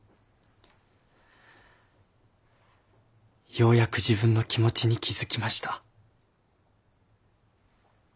ようやく自分の気持ちに気付きました。